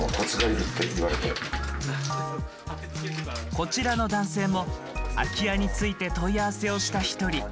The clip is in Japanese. こちらの男性も空き家について問い合わせをした一人。